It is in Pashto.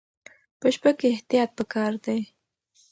په شپه کې احتیاط پکار دی.